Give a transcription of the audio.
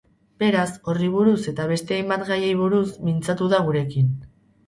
Beraz, horri buruz eta besta hainbat gaiei buruz mintzatu da gurekin.